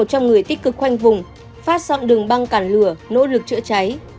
hơn một trăm linh người tích cực khoanh vùng phát sóng đường băng cản lửa nỗ lực chữa cháy